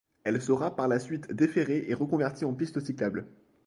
Elle sera par la suite déférée et reconvertie en piste cyclable.